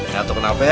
gak tau kenapa ya